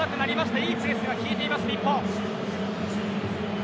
いいプレスが効いています日本。